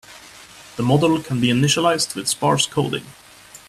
The model can be initialized with sparse coding.